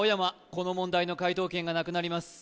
この問題の解答権がなくなります